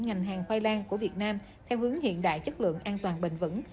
ngành hàng khoai lang của việt nam theo hướng hiện đại chất lượng an toàn bền vững